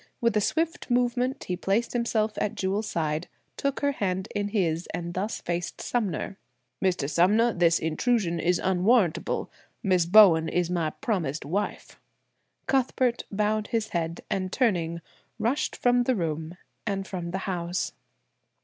With a swift movement he placed himself at Jewel's side, took her hand in his, and thus faced Sumner. "Mr. Sumner, this intrusion is unwarrantable. Miss Bowen is my promised wife." Cuthbert bowed his head, and turning, rushed from the room and from the house.